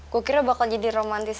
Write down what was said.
gue kira bakal jadi romantis